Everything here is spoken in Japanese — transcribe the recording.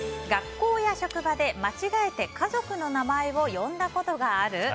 学校や職場で間違えて家族の名前を呼んだことがある？